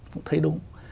cũng thấy đúng